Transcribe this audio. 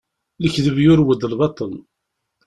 Lekdeb yurew-d lbaṭel.